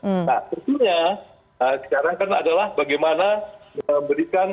nah tentunya sekarang kan adalah bagaimana memberikan